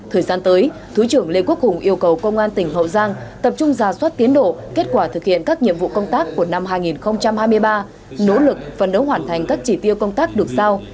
thời gian tới thứ trưởng lê quốc hùng yêu cầu công an tỉnh hậu giang tập trung ra soát tiến độ kết quả thực hiện các nhiệm vụ công tác của năm hai nghìn hai mươi ba nỗ lực phần đấu hoàn thành các chỉ tiêu công tác được sao